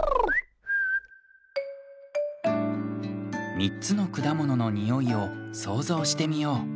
みっつのくだもののにおいをそうぞうしてみよう。